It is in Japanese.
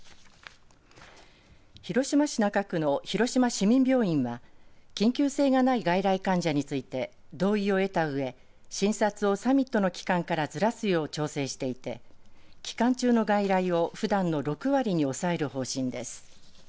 広島市中区の広島市民病院は緊急性がない外来患者について同意を得たうえ診察をサミットの期間からずらすよう調整していて期間中の外来をふだんの６割に抑える方針です。